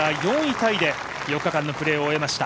タイで４日間のプレーを終えました。